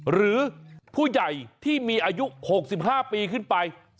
หรือผู้ใหญ่ที่มีอายุ๖๕ปีขึ้นไป